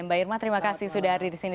mbak irma terima kasih sudah hadir di sini